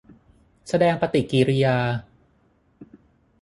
แสดงปฏิกิริยา